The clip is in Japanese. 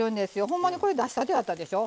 ほんまにこれ出したてだったでしょ。